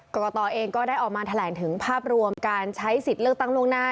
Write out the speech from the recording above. กรกตเองก็ได้ออกมาแถลงถึงภาพรวมการใช้สิทธิ์เลือกตั้งล่วงหน้า